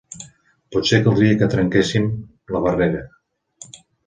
Potser caldria que trenquéssem la barrera.